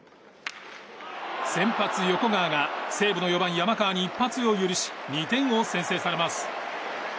先発、横川が西武の４番、山川に２点を先制されます。